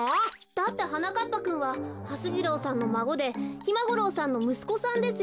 だってはなかっぱくんははす次郎さんのまごでひまごろうさんのむすこさんですよね？